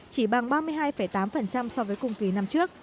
chỉ bằng ba mươi hai tám so với cùng kỳ năm hai nghìn một mươi chín